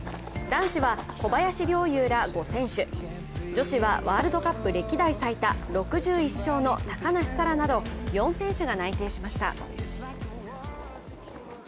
男子は小林陵侑ら５選手女子はワールドカップ歴代最多６１勝の高梨沙羅など４選手が内定しました。